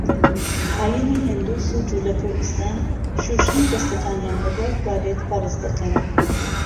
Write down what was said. ئاینی هیندۆس و جولەکە و ئیسلام شوشتنی دەستەکانیان لە دوای توالێت فەرزدەکەن.